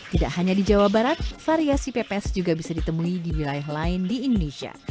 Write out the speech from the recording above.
tidak hanya di jawa barat variasi pepes juga bisa ditemui di wilayah lain di indonesia